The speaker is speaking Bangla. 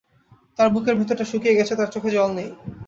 তার বুকের ভিতরটা শুকিয়ে গেছে, তার চোখে জল নেই।